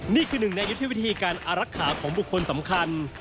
นี่คือหนึ่งในยุทธวิธีการอารักษาของบุคคลสำคัญ